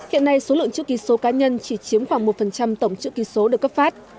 hiện nay số lượng chữ ký số cá nhân chỉ chiếm khoảng một tổng chữ ký số được cấp phát